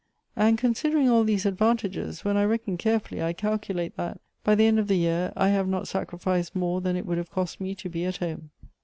And considering all these ad vantages, when I reckon carefully, I calculate that, by the end of the year, I have not sacrificed more than it would have cost me to be at home."